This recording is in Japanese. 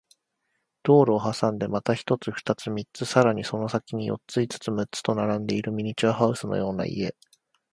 道路を挟んでまた一つ、二つ、三つ、さらにその先に四つ、五つ、六つと並んでいるミニチュアハウスのような家